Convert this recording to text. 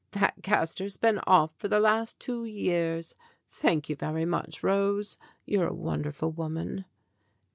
"That castor's been off for the last two years. Thank you very much, Rose. You're a wonderful woman."